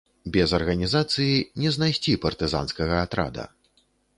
Без арганізацыі не знайсці партызанскага атрада.